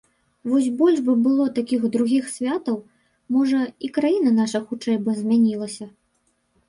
Вось больш бы было такіх другіх святаў, можа, і краіна наша хутчэй бы змянілася.